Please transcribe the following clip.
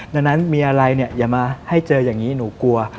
ดังนั้นมีอะไรเนี่ยอย่ามาให้เจออย่างนี้หนูกลัว